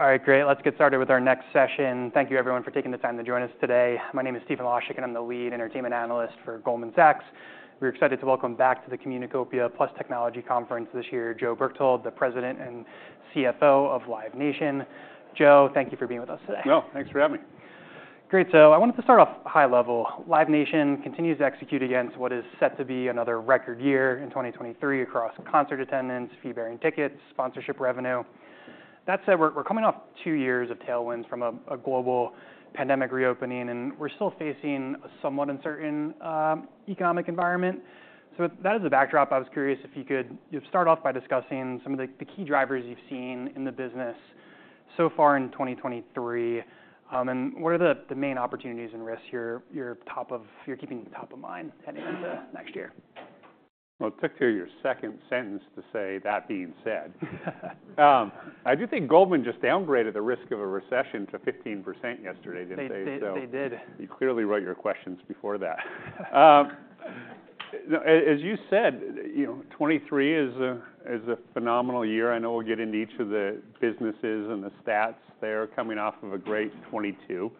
All right, great. Let's get started with our next session. Thank you, everyone, for taking the time to join us today. My name is Stephen Laszczyk and I'm the lead entertainment analyst for Goldman Sachs. We're excited to welcome back to the Communicopia + Technology Conference this year, Joe Berchtold, the President and CFO of Live Nation. Joe, thank you for being with us today. Well, thanks for having me. Great, so I wanted to start off high level. Live Nation continues to execute against what is set to be another record year in 2023 across concert attendance, fee-bearing tickets, sponsorship revenue. That said, we're coming off two years of tailwinds from a global pandemic reopening, and we're still facing a somewhat uncertain economic environment. So with that as the backdrop, I was curious if you could start off by discussing some of the key drivers you've seen in the business so far in 2023, and what are the main opportunities and risks you're keeping top of mind heading into next year? Well, it took till your second sentence to say, "That being said." I do think Goldman just downgraded the risk of a recession to 15% yesterday, didn't they? So- They did. You clearly wrote your questions before that. As you said, you know, 2023 is a phenomenal year. I know we'll get into each of the businesses and the stats there coming off of a great 2022.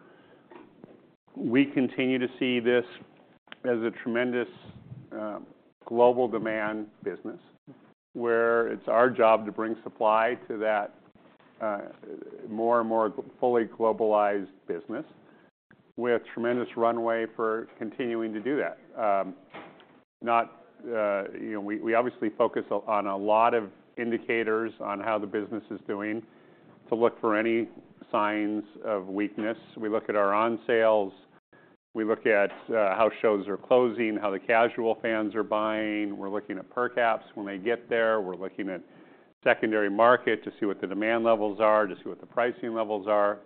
We continue to see this as a tremendous global demand business, where it's our job to bring supply to that more and more fully globalized business with tremendous runway for continuing to do that. You know, we obviously focus on a lot of indicators on how the business is doing to look for any signs of weakness. We look at our on-sales, we look at how shows are closing, how the casual fans are buying, we're looking at per caps when they get there, we're looking at secondary market to see what the demand levels are, to see what the pricing levels are.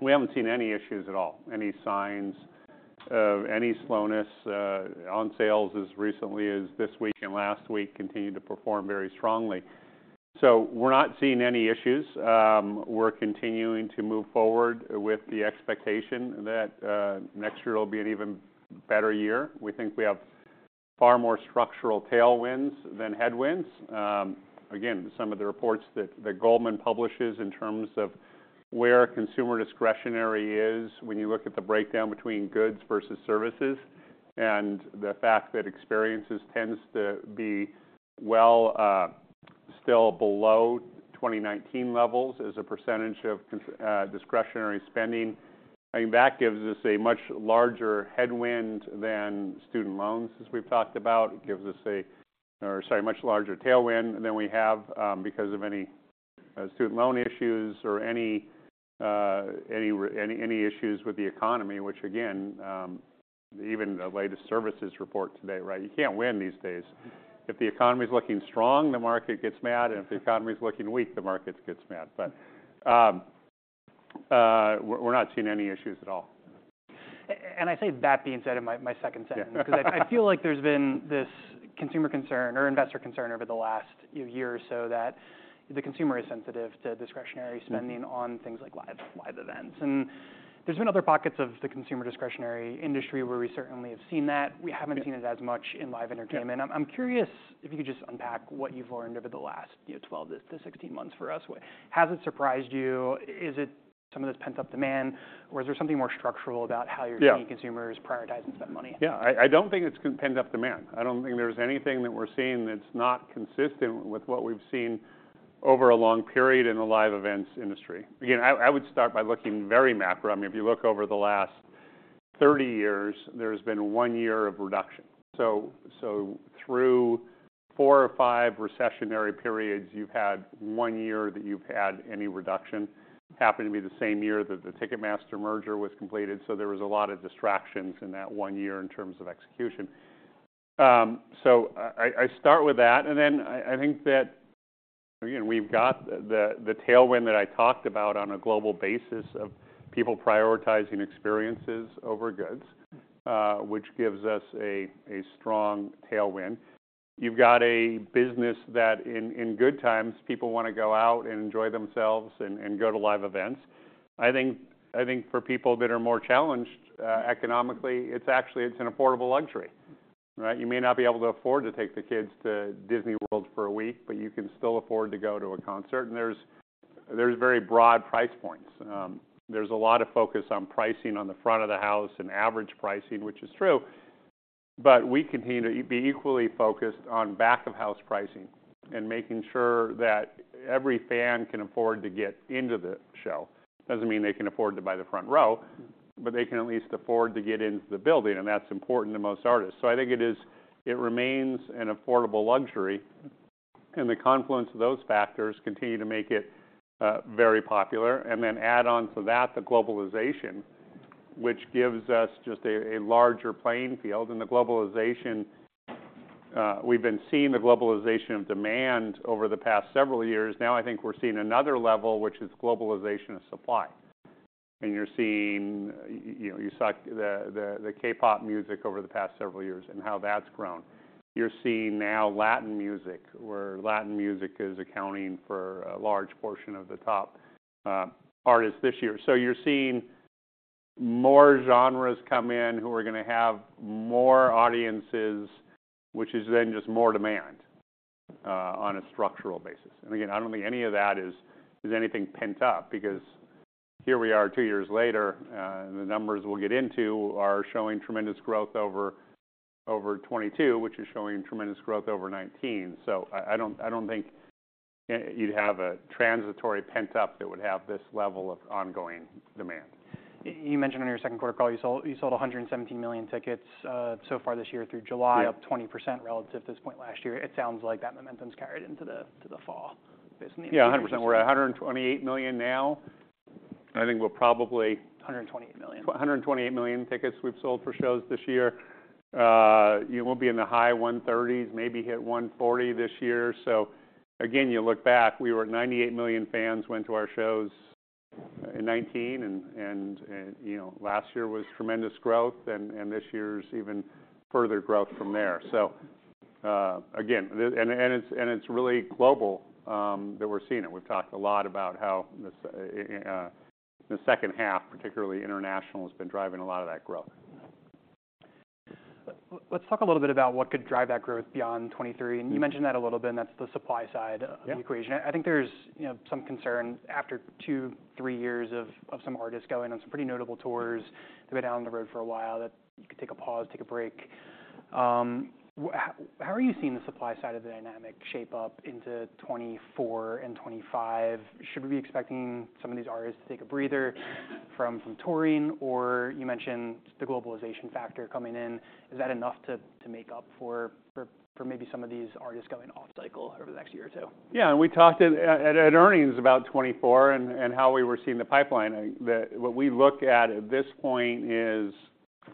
We haven't seen any issues at all, any signs of any slowness. On-sales, as recently as this week and last week continued to perform very strongly. So we're not seeing any issues. We're continuing to move forward with the expectation that next year will be an even better year. We think we have far more structural tailwinds than headwinds. Again, some of the reports that Goldman publishes in terms of where consumer discretionary is when you look at the breakdown between goods versus services, and the fact that experiences tends to be still below 2019 levels as a percentage of consumer discretionary spending. I mean, that gives us a much larger headwind than student loans, as we've talked about. It gives us a, or, sorry, much larger tailwind than we have because of any student loan issues or any issues with the economy, which again, even the latest services report today, right? You can't win these days. If the economy is looking strong, the market gets mad, and if the economy is looking weak, the market gets mad. But we're not seeing any issues at all. And I say that being said in my second sentence. Yeah. because I feel like there's been this consumer concern or investor concern over the last year or so, that the consumer is sensitive to discretionary spending- Mm-hmm. on things like live events. And there's been other pockets of the consumer discretionary industry where we certainly have seen that. Yeah. We haven't seen it as much in live entertainment. Yeah. I'm curious if you could just unpack what you've learned over the last, you know, 12-16 months for us. What... has it surprised you? Is it some of this pent-up demand, or is there something more structural about how you're- Yeah seeing consumers prioritize and spend money? Yeah, I don't think it's pent-up demand. I don't think there's anything that we're seeing that's not consistent with what we've seen over a long period in the live events industry. Again, I would start by looking very macro. I mean, if you look over the last 30 years, there's been one year of reduction. So through four or five recessionary periods, you've had one year that you've had any reduction. Happened to be the same year that the Ticketmaster merger was completed, so there was a lot of distractions in that one year in terms of execution. So I start with that, and then I think that, again, we've got the tailwind that I talked about on a global basis of people prioritizing experiences over goods- Mm-hmm. which gives us a strong tailwind. You've got a business that in good times, people wanna go out and enjoy themselves and go to live events. I think for people that are more challenged economically, it's actually an affordable luxury. Right? You may not be able to afford to take the kids to Disney World for a week, but you can still afford to go to a concert. And there's very broad price points. There's a lot of focus on pricing on the front of the house and average pricing, which is true, but we continue to be equally focused on back-of-house pricing and making sure that every fan can afford to get into the show. Doesn't mean they can afford to buy the front row- Mm-hmm. But they can at least afford to get into the building, and that's important to most artists. So I think it is. It remains an affordable luxury, and the confluence of those factors continue to make it very popular. And then add on to that, the globalization, which gives us just a larger playing field. And the globalization, we've been seeing the globalization of demand over the past several years. Now, I think we're seeing another level, which is globalization of supply. And you're seeing. You saw the K-pop music over the past several years and how that's grown. You're seeing now Latin music, where Latin music is accounting for a large portion of the top artists this year. So you're seeing. More genres come in who are gonna have more audiences, which is then just more demand on a structural basis. And again, I don't think any of that is anything pent-up, because here we are, two years later, and the numbers we'll get into are showing tremendous growth over 2022, which is showing tremendous growth over 2019. So I don't think you'd have a transitory pent-up that would have this level of ongoing demand. You mentioned on your second quarter call, you sold 117 million tickets so far this year through July- Yeah - up 20% relative to this point last year. It sounds like that momentum's carried into the, to the fall, basically. Yeah, 100%. We're at 128 million now. I think we're probably- $128 million. 128 million tickets we've sold for shows this year. You will be in the high 130s million, maybe hit 140 million this year. So again, you look back, we were at 98 million fans went to our shows in 2019 and, you know, last year was tremendous growth and this year's even further growth from there. So, again, and it's really global that we're seeing it. We've talked a lot about how this, the second half, particularly international, has been driving a lot of that growth. Let's talk a little bit about what could drive that growth beyond 2023, and you mentioned that a little bit, and that's the supply side- Yeah -of the equation. I think there's, you know, some concern after two, three years of some artists going on some pretty notable tours, they've been down the road for a while, that you could take a pause, take a break. How are you seeing the supply side of the dynamic shape up into 2024 and 2025? Should we be expecting some of these artists to take a breather from touring, or you mentioned the globalization factor coming in? Is that enough to make up for maybe some of these artists going off cycle over the next year or two? Yeah, and we talked at earnings about 2024 and how we were seeing the pipeline. What we look at at this point is,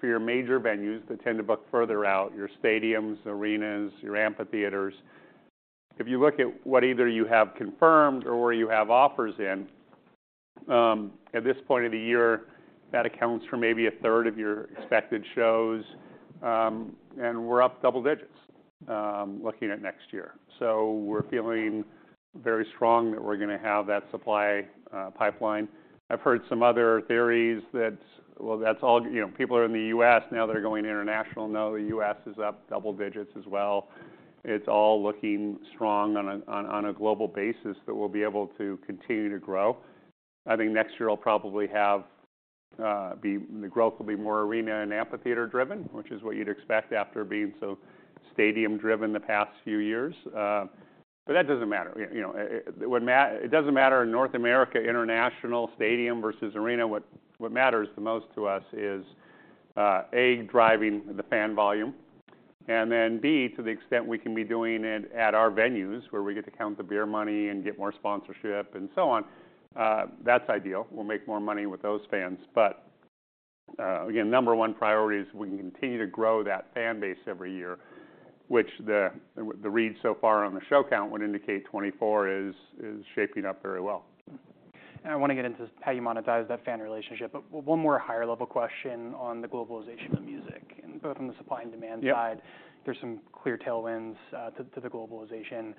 for your major venues that tend to book further out, your stadiums, arenas, your amphitheaters. If you look at what either you have confirmed or where you have offers in at this point of the year, that accounts for maybe a third of your expected shows. And we're up double digits looking at next year. So we're feeling very strong that we're gonna have that supply pipeline. I've heard some other theories that, well, that's all. You know, people are in the U.S. now, they're going international. No, the U.S. is up double digits as well. It's all looking strong on a global basis that we'll be able to continue to grow. I think next year will probably have the growth will be more arena and amphitheater driven, which is what you'd expect after being so stadium-driven the past few years. But that doesn't matter. You know, it doesn't matter, in North America, international, stadium versus arena. What matters the most to us is A, driving the fan volume, and then B, to the extent we can be doing it at our venues, where we get to count the beer money and get more sponsorship and so on, that's ideal. We'll make more money with those fans. But again, number one priority is we can continue to grow that fan base every year, which the read so far on the show count would indicate 2024 is shaping up very well. I wanna get into how you monetize that fan relationship. One more higher-level question on the globalization of music, and both on the supply and demand side- Yeah There's some clear tailwinds to the globalization.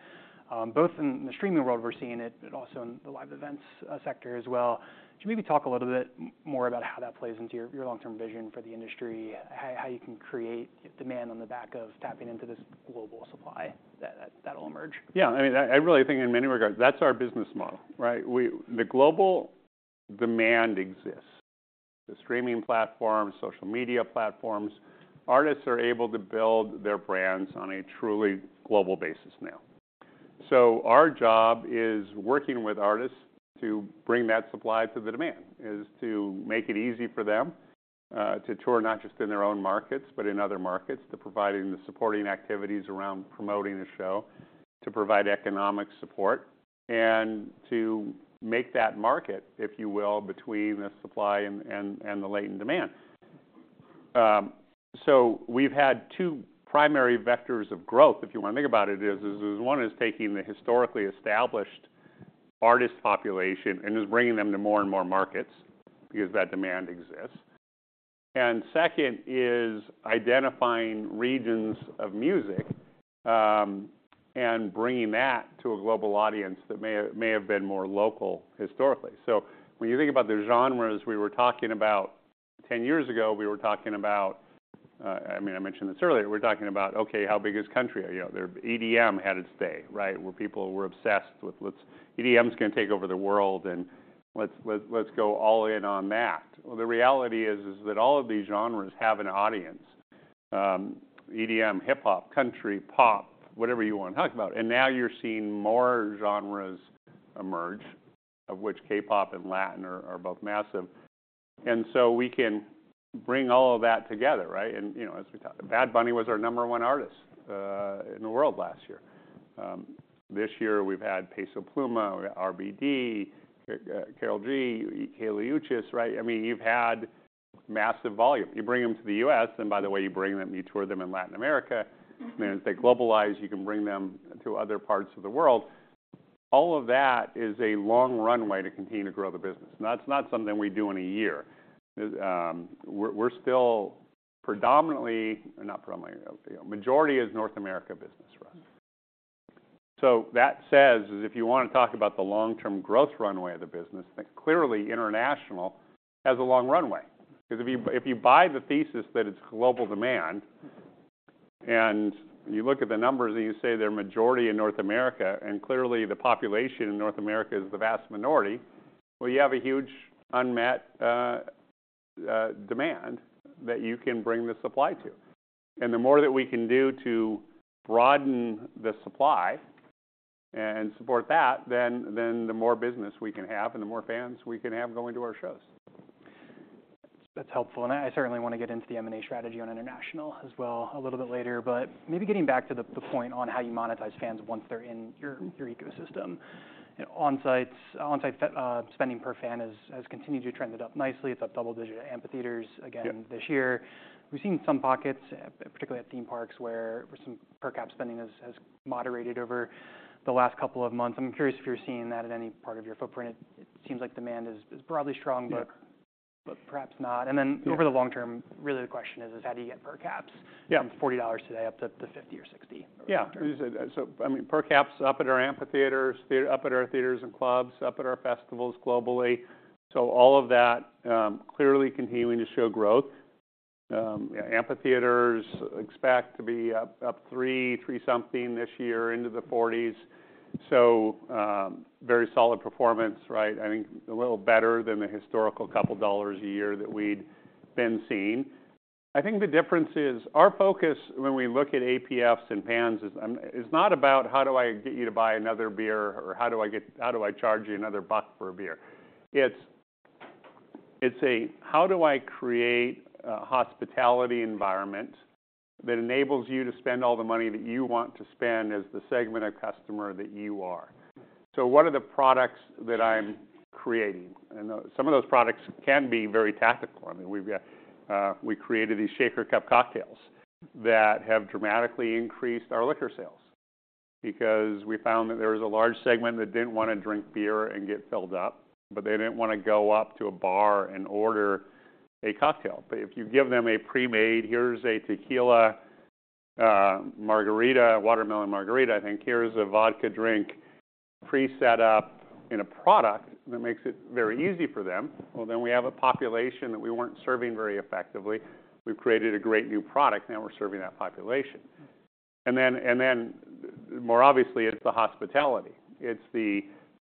Both in the streaming world, we're seeing it, but also in the live events sector as well. Could maybe talk a little bit more about how that plays into your long-term vision for the industry, how you can create demand on the back of tapping into this global supply that will emerge? Yeah, I mean, I really think in many regards, that's our business model, right? The global demand exists. The streaming platforms, social media platforms, artists are able to build their brands on a truly global basis now. So our job is working with artists to bring that supply to the demand, is to make it easy for them to tour, not just in their own markets, but in other markets. To providing the supporting activities around promoting the show, to provide economic support, and to make that market, if you will, between the supply and the latent demand. So we've had two primary vectors of growth, if you wanna think about it, one is taking the historically established artist population and just bringing them to more and more markets because that demand exists. Second is identifying regions of music, and bringing that to a global audience that may have, may have been more local historically. So when you think about the genres we were talking about ten years ago, we were talking about, I mean, I mentioned this earlier, we were talking about, okay, how big is country? You know, EDM had its day, right? Where people were obsessed with, "Let's- EDM's gonna take over the world, and let's, let's, let's go all in on that." Well, the reality is, is that all of these genres have an audience, EDM, hip-hop, country, pop, whatever you want to talk about. And now you're seeing more genres emerge, of which K-pop and Latin are, are both massive, and so we can bring all of that together, right? You know, as we talked, Bad Bunny was our number one artist in the world last year. This year, we've had Peso Pluma, RBD, Karol G, Kali Uchis, right? I mean, you've had massive volume. You bring them to the U.S., and by the way, you bring them, you tour them in Latin America. Then, as they globalize, you can bring them to other parts of the world. All of that is a long runway to continue to grow the business, and that's not something we do in a year. We're, we're still predominantly, or not primarily, majority is North America business for us. So that says is if you want to talk about the long-term growth runway of the business, then clearly international has a long runway. Because if you buy the thesis that it's global demand and you look at the numbers and you say they're majority in North America, and clearly the population in North America is the vast minority, well, you have a huge unmet demand that you can bring the supply to. And the more that we can do to broaden the supply and support that, then the more business we can have and the more fans we can have going to our shows. That's helpful, and I certainly want to get into the M&A strategy on international as well a little bit later. But maybe getting back to the point on how you monetize fans once they're in your ecosystem. On-site spending per fan has continued to trend up nicely. It's up double digit amphitheaters again- Yeah This year. We've seen some pockets, particularly at theme parks, where some per cap spending has moderated over the last couple of months. I'm curious if you're seeing that at any part of your footprint. It seems like demand is broadly strong- Yeah... but perhaps not. And then- Yeah... over the long term, really the question is: how do you get per caps- Yeah... from $40 today up to the $50 or $60? Yeah. So, I mean, per cap's up at our amphitheaters, theaters up at our theaters and clubs, up at our festivals globally. So all of that clearly continuing to show growth. Amphitheaters expect to be up 3, 3-something this year into the 40s. So, very solid performance, right? I think a little better than the historical couple of dollars a year that we'd been seeing. I think the difference is our focus when we look at APFs and per caps is not about how do I get you to buy another beer, or how do I charge you another buck for a beer? It's how do I create a hospitality environment that enables you to spend all the money that you want to spend as the segment of customer that you are? So what are the products that I'm creating? And some of those products can be very tactical. I mean, we've got, we created these shaker cup cocktails that have dramatically increased our liquor sales because we found that there was a large segment that didn't want to drink beer and get filled up, but they didn't want to go up to a bar and order a cocktail. But if you give them a pre-made, here's a tequila, margarita, watermelon margarita, I think here's a vodka drink, pre-set up in a product that makes it very easy for them, well, then we have a population that we weren't serving very effectively. We've created a great new product, now we're serving that population. And then, and then more obviously, it's the hospitality. It's the,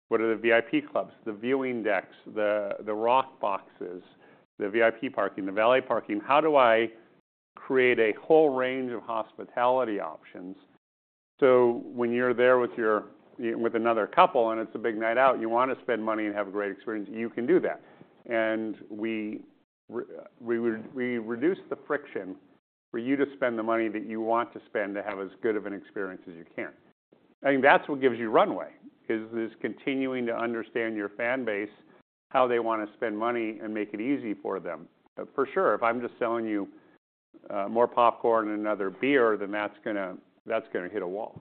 what are the VIP clubs, the viewing decks, the rock boxes, the VIP parking, the valet parking. How do I create a whole range of hospitality options so when you're there with another couple and it's a big night out, you want to spend money and have a great experience, you can do that. And we reduce the friction for you to spend the money that you want to spend to have as good of an experience as you can. I think that's what gives you runway, is this continuing to understand your fan base, how they want to spend money, and make it easy for them. For sure, if I'm just selling you more popcorn and another beer, then that's gonna hit a wall.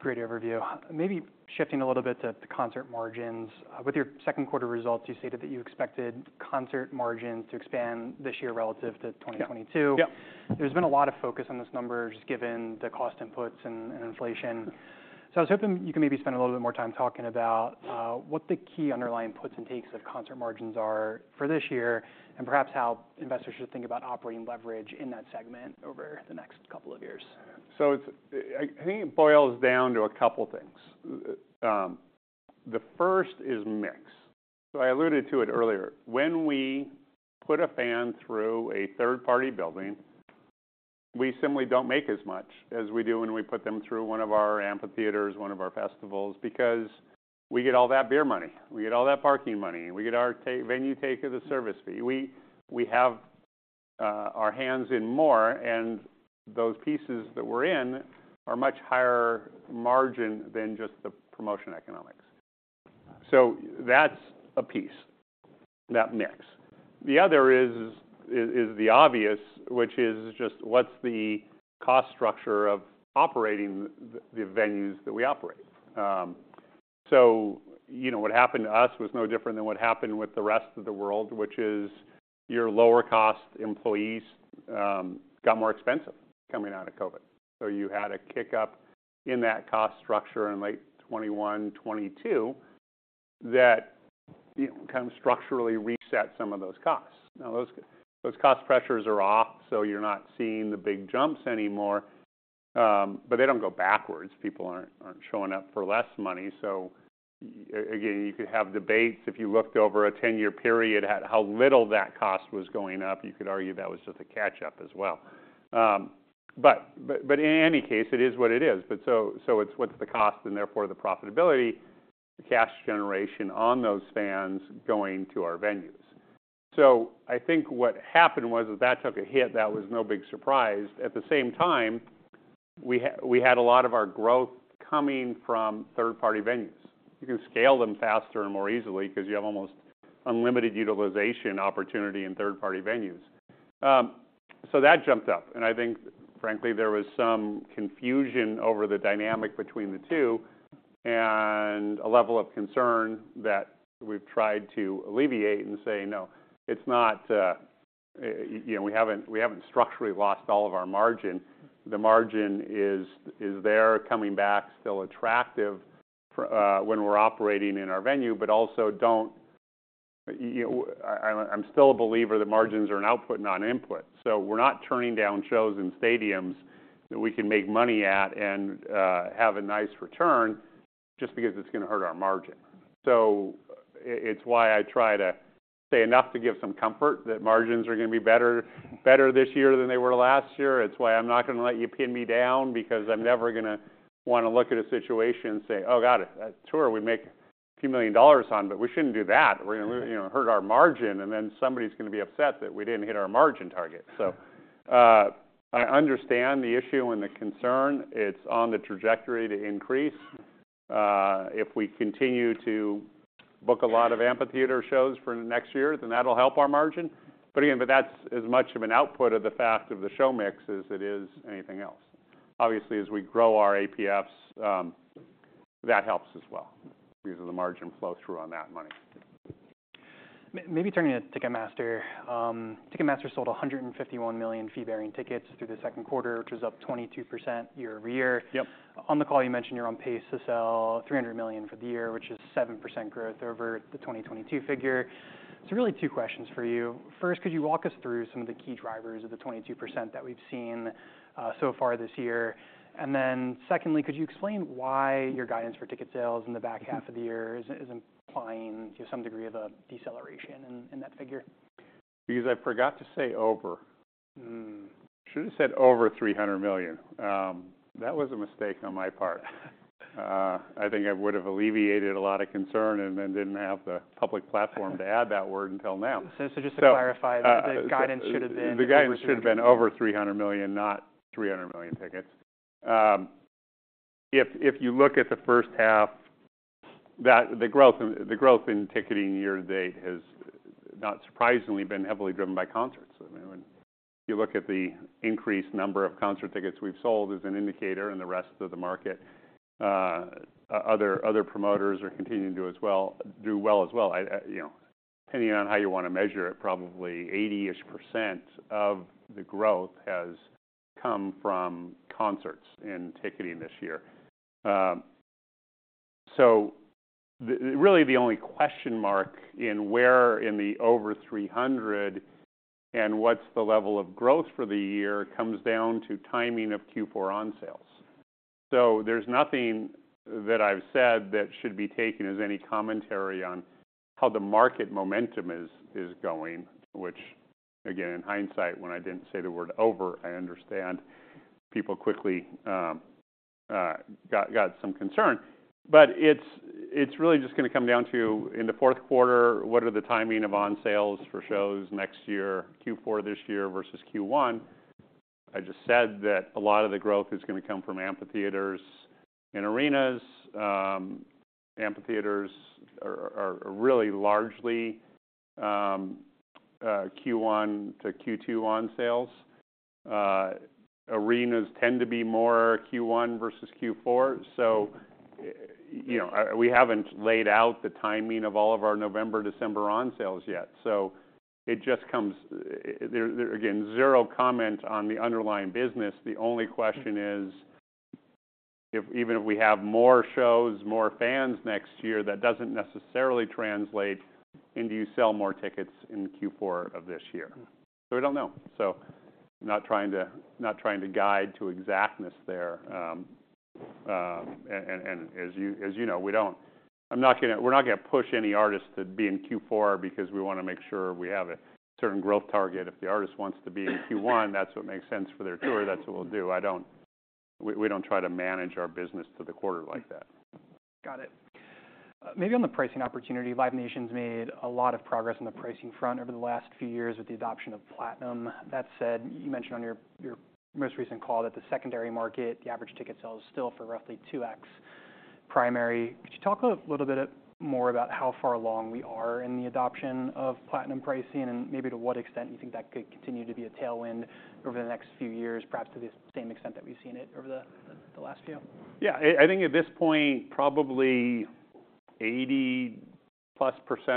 Great overview. Maybe shifting a little bit to the concert margins. With your second quarter results, you stated that you expected concert margins to expand this year relative to 2022. Yeah. There's been a lot of focus on this number, just given the cost inputs and inflation. So I was hoping you could maybe spend a little bit more time talking about what the key underlying puts and takes of concert margins are for this year, and perhaps how investors should think about operating leverage in that segment over the next couple of years. So it's I think it boils down to a couple of things. The first is mix. So I alluded to it earlier. When we put a fan through a third-party building, we simply don't make as much as we do when we put them through one of our amphitheaters, one of our festivals, because we get all that beer money, we get all that parking money, we get our take, venue take as a service fee. We have our hands in more, and those pieces that we're in are much higher margin than just the promotion economics. So that's a piece, that mix. The other is the obvious, which is just what's the cost structure of operating the venues that we operate? So you know, what happened to us was no different than what happened with the rest of the world, which is your lower cost employees got more expensive coming out of COVID. So you had a kick up in that cost structure in late 2021, 2022, that you know, kind of structurally reset some of those costs. Now, those cost pressures are off, so you're not seeing the big jumps anymore, but they don't go backwards. People aren't showing up for less money. So again, you could have debates. If you looked over a 10-year period at how little that cost was going up, you could argue that was just a catch-up as well. But in any case, it is what it is. But so, so it's what's the cost and therefore the profitability, the cash generation on those fans going to our venues. So I think what happened was that took a hit. That was no big surprise. At the same time, we had, we had a lot of our growth coming from third-party venues. You can scale them faster and more easily because you have almost unlimited utilization opportunity in third-party venues. So that jumped up, and I think frankly, there was some confusion over the dynamic between the two.... and a level of concern that we've tried to alleviate and say, "No, it's not, you know, we haven't, we haven't structurally lost all of our margin." The margin is, is there, coming back, still attractive when we're operating in our venue, but also don't, I, I'm still a believer that margins are an output, not an input. So we're not turning down shows in stadiums that we can make money at and, have a nice return just because it's gonna hurt our margin. So it's why I try to say enough to give some comfort, that margins are gonna be better, better this year than they were last year. It's why I'm not gonna let you pin me down, because I'm never gonna wanna look at a situation and say, "Oh, God, that tour we make $a few million on, but we shouldn't do that. We're gonna, you know, hurt our margin," and then somebody's gonna be upset that we didn't hit our margin target. So, I understand the issue and the concern. It's on the trajectory to increase. If we continue to book a lot of amphitheater shows for next year, then that'll help our margin. But again, that's as much of an output of the fact of the show mix as it is anything else. Obviously, as we grow our APFs, that helps as well, because of the margin flow through on that money. Maybe turning to Ticketmaster. Ticketmaster sold 151 million fee-bearing tickets through the second quarter, which was up 22% year-over-year. Yep. On the call, you mentioned you're on pace to sell 300 million for the year, which is 7% growth over the 2022 figure. So really, two questions for you. First, could you walk us through some of the key drivers of the 22% that we've seen so far this year? And then, secondly, could you explain why your guidance for ticket sales in the back half of the year is implying just some degree of a deceleration in that figure? Because I forgot to say over. Should have said over 300 million. That was a mistake on my part. I think I would have alleviated a lot of concern and then didn't have the public platform to add that word until now. So, just to clarify- So, uh- The guidance should have been. The guidance should have been over 300 million, not 300 million tickets. If you look at the first half, the growth in ticketing year to date has, not surprisingly, been heavily driven by concerts. I mean, when you look at the increased number of concert tickets we've sold as an indicator in the rest of the market, other promoters are continuing to do well as well. I, you know, depending on how you want to measure it, probably 80-ish% of the growth has come from concerts and ticketing this year. So the... Really, the only question mark in where in the over 300 and what's the level of growth for the year comes down to timing of Q4 on sales. So there's nothing that I've said that should be taken as any commentary on how the market momentum is going, which again, in hindsight, when I didn't say the word over, I understand people quickly got some concern. But it's really just gonna come down to, in the fourth quarter, what are the timing of on-sales for shows next year, Q4 this year versus Q1? I just said that a lot of the growth is gonna come from amphitheaters and arenas. Amphitheaters are really largely Q1 to Q2 on-sales. Arenas tend to be more Q1 versus Q4. So, you know, we haven't laid out the timing of all of our November, December on-sales yet, so it just comes... There again, zero comment on the underlying business. The only question is, even if we have more shows, more fans next year, that doesn't necessarily translate into you sell more tickets in Q4 of this year. So we don't know. So, not trying to guide to exactness there. And, as you know, we don't. I'm not gonna. We're not gonna push any artist to be in Q4 because we wanna make sure we have a certain growth target. If the artist wants to be in Q1, that's what makes sense for their tour, that's what we'll do. I don't. We don't try to manage our business to the quarter like that. Got it. Maybe on the pricing opportunity, Live Nation's made a lot of progress on the pricing front over the last few years with the adoption of Platinum. That said, you mentioned on your most recent call that the secondary market, the average ticket sale is still for roughly 2x primary. Could you talk a little bit more about how far along we are in the adoption of Platinum pricing, and maybe to what extent you think that could continue to be a tailwind over the next few years, perhaps to the same extent that we've seen it over the last few? Yeah, I think at this point, probably 80+%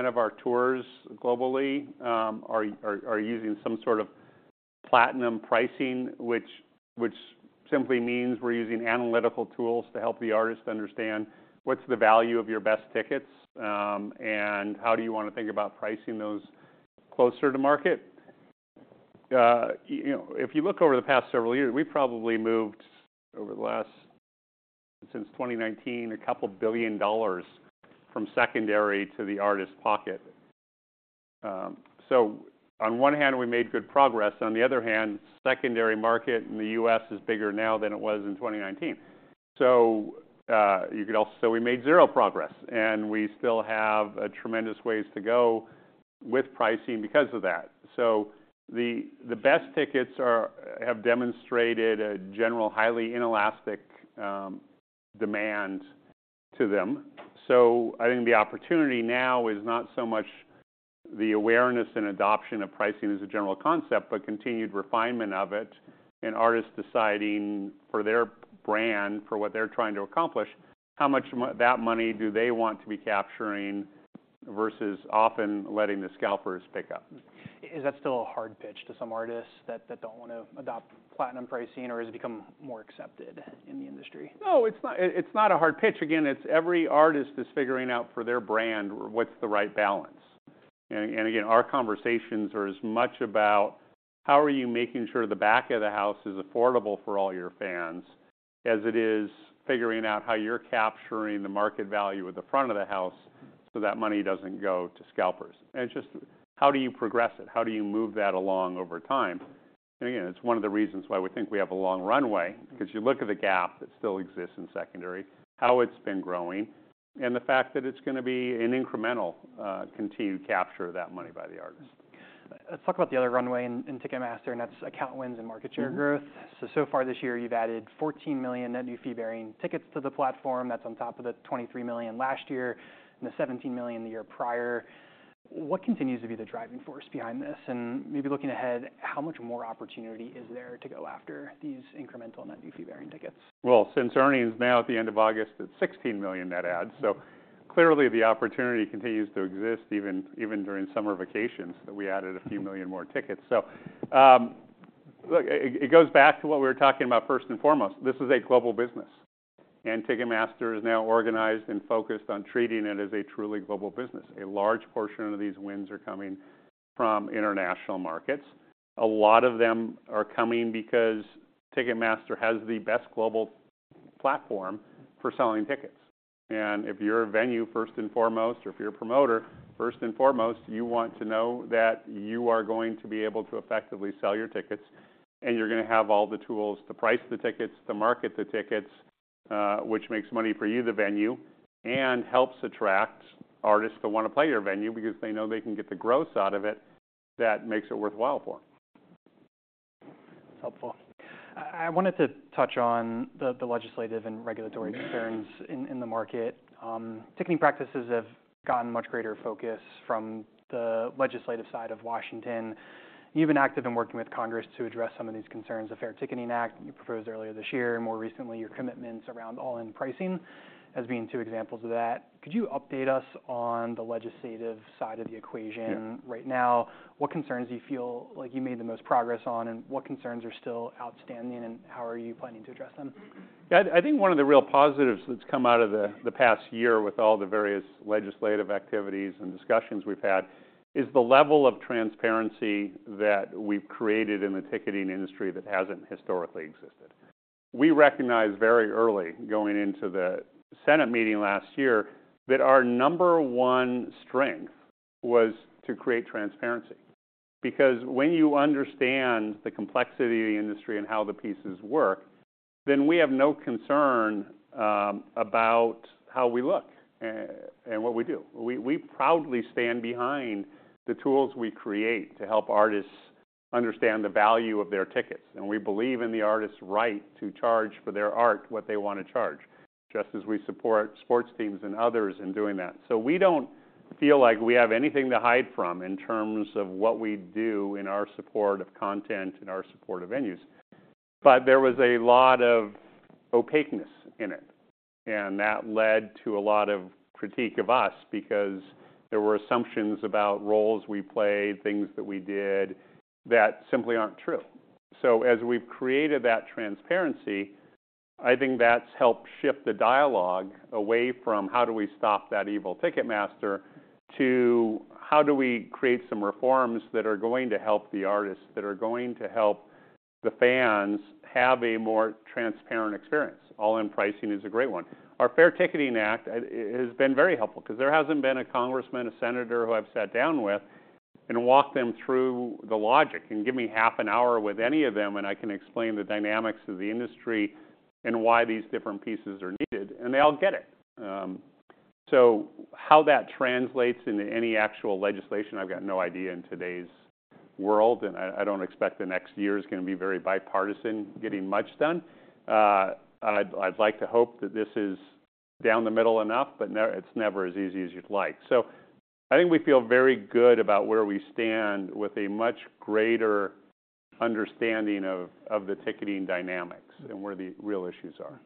of our tours globally are using some sort of platinum pricing, which simply means we're using analytical tools to help the artist understand what's the value of your best tickets, and how do you wanna think about pricing those closer to market. You know, if you look over the past several years, we probably moved, over the last... since 2019, $2 billion from secondary to the artist's pocket. So on one hand, we made good progress, on the other hand, secondary market in the U.S. is bigger now than it was in 2019. So, you could also... So we made zero progress, and we still have a tremendous ways to go with pricing because of that. So the best tickets have demonstrated a general, highly inelastic demand to them. So I think the opportunity now is not so much the awareness and adoption of pricing as a general concept, but continued refinement of it, and artists deciding for their brand, for what they're trying to accomplish, how much that money do they want to be capturing versus often letting the scalpers pick up? Is that still a hard pitch to some artists that don't want to adopt Platinum pricing, or has it become more accepted in the industry? No, it's not, it's not a hard pitch. Again, it's every artist is figuring out for their brand what's the right balance. And, and again, our conversations are as much about how are you making sure the back of the house is affordable for all your fans, as it is figuring out how you're capturing the market value at the front of the house so that money doesn't go to scalpers. And it's just, how do you progress it? How do you move that along over time? And again, it's one of the reasons why we think we have a long runway, 'cause you look at the gap that still exists in secondary, how it's been growing, and the fact that it's gonna be an incremental, continued capture of that money by the artist. Let's talk about the other runway in Ticketmaster, and that's account wins and market share growth. Mm-hmm. So, so far this year, you've added 14 million net new fee-bearing tickets to the platform. That's on top of the 23 million last year and the 17 million the year prior. What continues to be the driving force behind this? And maybe looking ahead, how much more opportunity is there to go after these incremental net new fee-bearing tickets? Well, since earnings now at the end of August, it's 16 million net add, so clearly the opportunity continues to exist even during summer vacations, that we added a few million more tickets. So, look, it goes back to what we were talking about first and foremost, this is a global business, and Ticketmaster is now organized and focused on treating it as a truly global business. A large portion of these wins are coming from international markets. A lot of them are coming because Ticketmaster has the best global platform for selling tickets. And if you're a venue, first and foremost, or if you're a promoter, first and foremost, you want to know that you are going to be able to effectively sell your tickets, and you're gonna have all the tools to price the tickets, to market the tickets, which makes money for you, the venue, and helps attract artists that wanna play your venue because they know they can get the gross out of it, that makes it worthwhile for them. That's helpful. I wanted to touch on the legislative and regulatory concerns in the market. Ticketing practices have gotten much greater focus from the legislative side of Washington. You've been active in working with Congress to address some of these concerns. The FAIR Ticketing Act you proposed earlier this year, and more recently, your commitments around all-in pricing as being two examples of that. Could you update us on the legislative side of the equation- Yeah... right now? What concerns do you feel like you made the most progress on, and what concerns are still outstanding, and how are you planning to address them? I think one of the real positives that's come out of the past year with all the various legislative activities and discussions we've had is the level of transparency that we've created in the ticketing industry that hasn't historically existed. We recognized very early, going into the Senate meeting last year, that our number one strength was to create transparency. Because when you understand the complexity of the industry and how the pieces work, then we have no concern about how we look and what we do. We proudly stand behind the tools we create to help artists understand the value of their tickets, and we believe in the artist's right to charge for their art what they want to charge, just as we support sports teams and others in doing that. So we don't feel like we have anything to hide from in terms of what we do in our support of content and our support of venues. But there was a lot of opaqueness in it, and that led to a lot of critique of us because there were assumptions about roles we played, things that we did, that simply aren't true. So as we've created that transparency, I think that's helped shift the dialogue away from: How do we stop that evil Ticketmaster, to how do we create some reforms that are going to help the artists, that are going to help the fans have a more transparent experience? All-in pricing is a great one. Our FAIR Ticketing Act, it has been very helpful, 'cause there hasn't been a congressman, a senator, who I've sat down with and walked them through the logic. Give me half an hour with any of them, and I can explain the dynamics of the industry and why these different pieces are needed, and they all get it. So how that translates into any actual legislation, I've got no idea in today's world, and I don't expect the next year is gonna be very bipartisan, getting much done. I'd like to hope that this is down the middle enough, but it's never as easy as you'd like. So I think we feel very good about where we stand with a much greater understanding of the ticketing dynamics. Mm... and where the real issues are.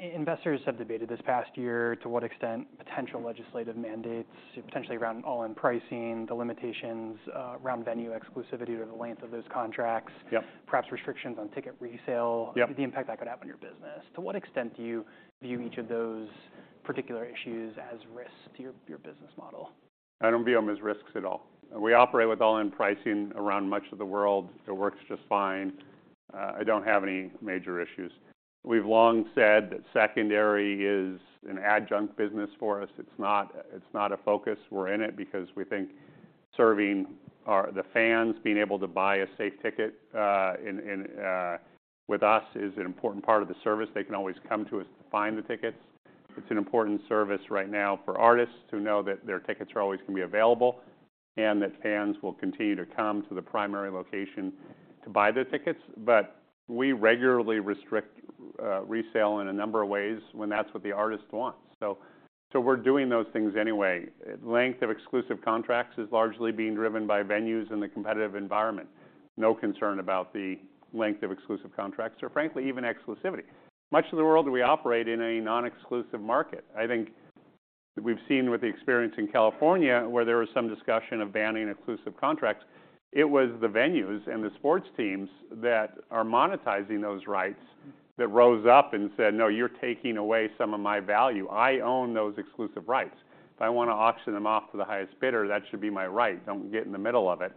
Investors have debated this past year to what extent potential legislative mandates, potentially around all-in pricing, the limitations around venue exclusivity or the length of those contracts- Yep... perhaps restrictions on ticket resale. Yep... the impact that could have on your business. To what extent do you view each of those particular issues as risks to your, your business model? I don't view them as risks at all. We operate with all-in pricing around much of the world. It works just fine. I don't have any major issues. We've long said that secondary is an adjunct business for us. It's not, it's not a focus. We're in it because we think serving the fans, being able to buy a safe ticket, with us, is an important part of the service. They can always come to us to find the tickets. It's an important service right now for artists to know that their tickets are always gonna be available, and that fans will continue to come to the primary location to buy their tickets, but we regularly restrict resale in a number of ways, when that's what the artist wants. So, so we're doing those things anyway. Length of exclusive contracts is largely being driven by venues in the competitive environment. No concern about the length of exclusive contracts or frankly, even exclusivity. Much of the world we operate in a non-exclusive market. I think we've seen with the experience in California, where there was some discussion of banning exclusive contracts, it was the venues and the sports teams that are monetizing those rights that rose up and said: "No, you're taking away some of my value. I own those exclusive rights. If I wanna auction them off to the highest bidder, that should be my right. Don't get in the middle of it.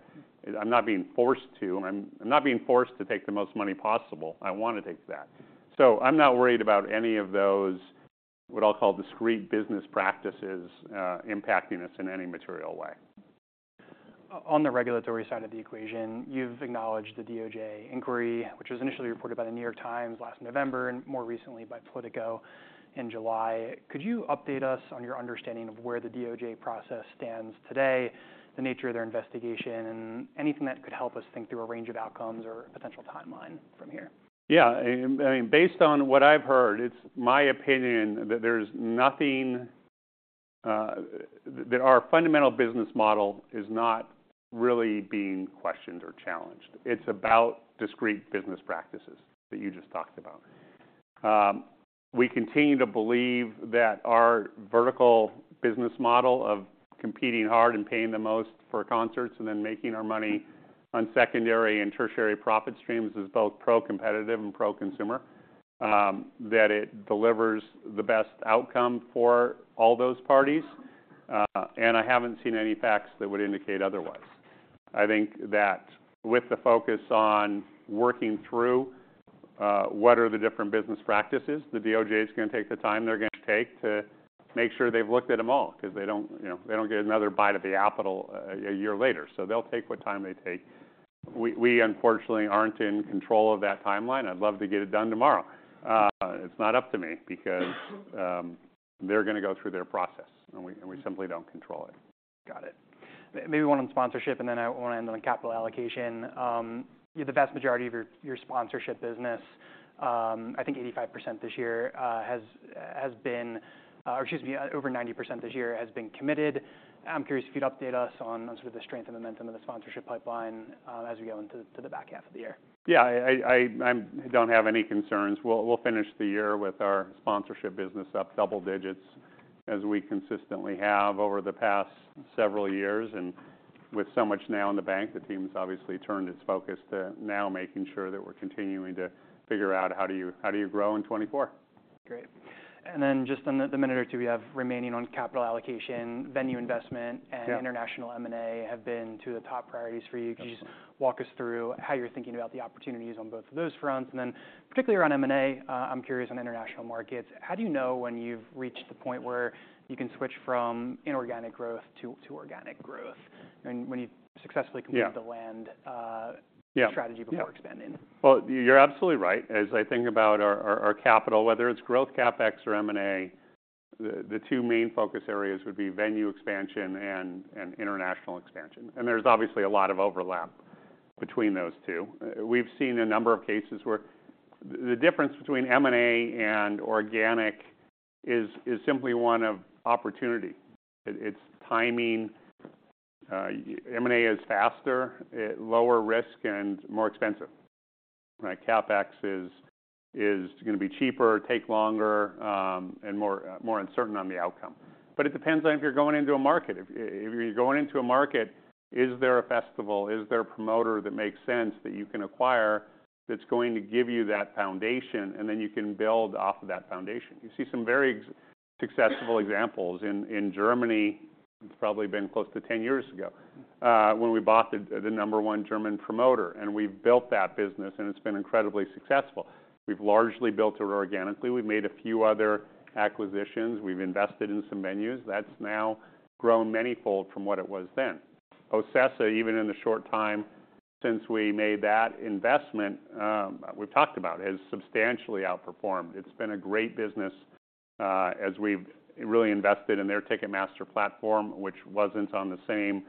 I'm not being forced to. I'm not being forced to take the most money possible. I wanna take that." So I'm not worried about any of those, what I'll call, discrete business practices, impacting us in any material way. On the regulatory side of the equation, you've acknowledged the DOJ inquiry, which was initially reported by The New York Times last November, and more recently by Politico in July. Could you update us on your understanding of where the DOJ process stands today, the nature of their investigation, and anything that could help us think through a range of outcomes or potential timeline from here? Yeah, and based on what I've heard, it's my opinion that there's nothing that our fundamental business model is not really being questioned or challenged. We continue to believe that our vertical business model of competing hard and paying the most for concerts, and then making our money on secondary and tertiary profit streams is both pro-competitive and pro-consumer. That it delivers the best outcome for all those parties, and I haven't seen any facts that would indicate otherwise. I think that with the focus on working through what are the different business practices, the DOJ is gonna take the time they're gonna take to make sure they've looked at them all, 'cause they don't, you know, they don't get another bite of the apple a year later, so they'll take what time they take. We unfortunately aren't in control of that timeline. I'd love to get it done tomorrow. It's not up to me because they're gonna go through their process, and we simply don't control it. Got it. Maybe one on sponsorship, and then I wanna end on capital allocation. The vast majority of your sponsorship business, I think 85% this year, has been, excuse me, over 90% this year has been committed. I'm curious if you'd update us on sort of the strength and momentum of the sponsorship pipeline, as we go into the back half of the year. Yeah, I don't have any concerns. We'll finish the year with our sponsorship business up double digits, as we consistently have over the past several years. And with so much now in the bank, the team has obviously turned its focus to now making sure that we're continuing to figure out how do you grow in 2024. Great. And then just on the minute or two, we have remaining on capital allocation, venue investment- Yeah... and international M&A have been two of the top priorities for you. Absolutely. Could you just walk us through how you're thinking about the opportunities on both of those fronts? And then, particularly around M&A, I'm curious, on international markets, how do you know when you've reached the point where you can switch from inorganic growth to, to organic growth, and when you've successfully- Yeah -completed the land- Yeah strategy before expanding? Well, you're absolutely right. As I think about our capital, whether it's growth, CapEx or M&A, the two main focus areas would be venue expansion and international expansion, and there's obviously a lot of overlap between those two. We've seen a number of cases where the difference between M&A and organic is simply one of opportunity. It's timing. M&A is faster, lower risk, and more expensive. Right, CapEx is gonna be cheaper, take longer, and more uncertain on the outcome. But it depends on if you're going into a market. If you're going into a market, is there a festival? Is there a promoter that makes sense that you can acquire, that's going to give you that foundation, and then you can build off of that foundation? You see some very successful examples in Germany. It's probably been close to 10 years ago when we bought the number one German promoter, and we've built that business, and it's been incredibly successful. We've largely built it organically. We've made a few other acquisitions. We've invested in some venues. That's now grown manyfold from what it was then. OCESA, even in the short time since we made that investment, we've talked about, has substantially outperformed. It's been a great business as we've really invested in their Ticketmaster platform, which wasn't on the same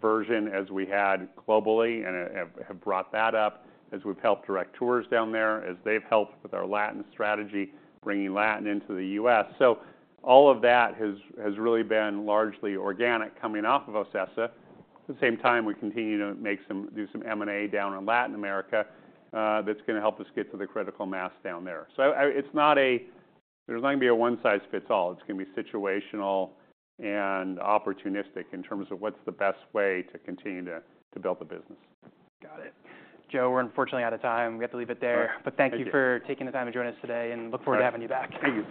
version as we had globally and have brought that up, as we've helped direct tours down there, as they've helped with our Latin strategy, bringing Latin into the U.S. So all of that has really been largely organic coming off of OCESA. At the same time, we continue to do some M&A down in Latin America, that's gonna help us get to the critical mass down there. So, it's not a... There's not gonna be a one-size-fits-all. It's gonna be situational and opportunistic in terms of what's the best way to continue to build the business. Got it. Joe, we're unfortunately out of time. We have to leave it there. All right. But thank you for taking the time to join us today, and look forward. All right to having you back.